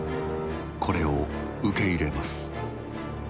これを受け入れます。